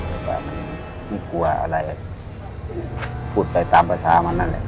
แต่ว่ามันไม่กลัวอะไรพูดไปตามประชามันนั่นแหละ